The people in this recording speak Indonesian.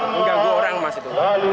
mengganggu orang mas itu